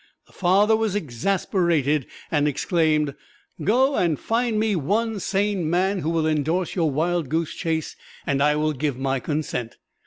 The father was exasperated and exclaimed, "Go and find me one sane man who will endorse your wild goose chase and I will give my consent."